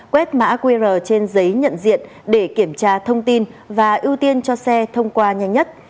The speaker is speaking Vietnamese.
quét mã qr trên giấy nhận diện để kiểm tra thông tin và ưu tiên cho xe thông qua nhanh nhất